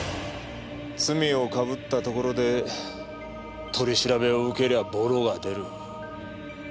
罪を被ったところで取り調べを受けりゃあボロが出る。